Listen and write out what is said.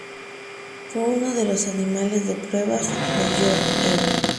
Fue uno de los animales de pruebas de Jor-El.